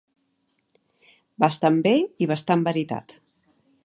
Bastant bé i bastant veritat.